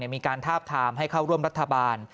มีการทาบทามให้เข้าร่วมรัฐบาล